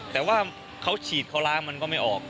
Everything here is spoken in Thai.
แต่ว่าเขาฉีดเขาล้างมันก็ไม่ออก